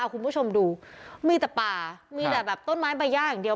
เอ้าท่านผู้พวงดูมีแต่ปลามีแต่แบบต้นไม้แบรยาอย่างเดียว